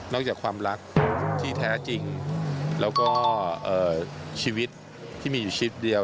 จากความรักที่แท้จริงแล้วก็ชีวิตที่มีอยู่ชีวิตเดียว